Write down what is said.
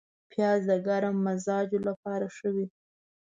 پیاز د ګرم مزاجو لپاره ښه وي